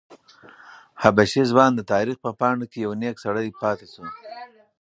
حبشي ځوان د تاریخ په پاڼو کې یو نېک سړی پاتې شو.